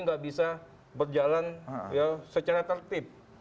nggak bisa berjalan secara tertib